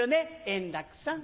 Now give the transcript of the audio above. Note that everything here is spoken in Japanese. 円楽さん。